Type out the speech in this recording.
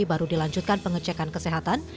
baru dilanjutkan pengecekan kesehatan